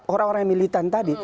orang orang yang militan tadi